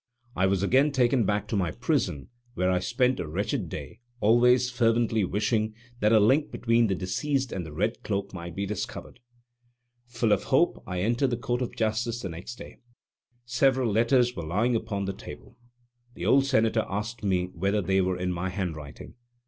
I was again taken back to my prison, where I spent a wretched day, always fervently wishing that a link between the deceased and the "red cloak" might be discovered. Full of hope, I entered the Court of Justice the next day. Several letters were lying upon the table. The old Senator asked me whether they were in my handwriting.